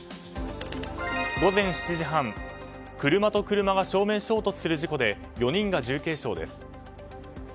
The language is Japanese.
午前７時半車と車が正面衝突する事故で４人が重軽傷です。